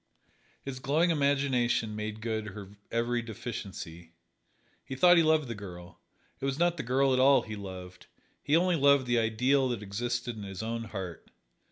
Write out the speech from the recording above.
His glowing imagination made good her every deficiency. He thought he loved the girl. It was not the girl at all he loved: he only loved the ideal that existed in his own heart.